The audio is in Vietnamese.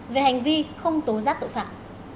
về hành vi không tố giác tội phạm